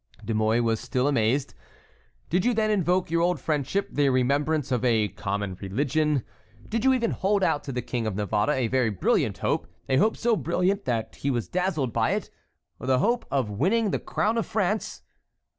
De Mouy was still amazed. "Did you then invoke your old friendship, the remembrance of a common religion? Did you even hold out to the King of Navarre a very brilliant hope, a hope so brilliant that he was dazzled by it—the hope of winning the crown of France?